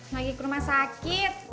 lagi ke rumah sakit